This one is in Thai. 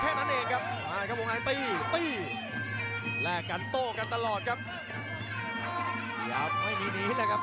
แม่คตุแล้วก็หมั่นถึงสองเติม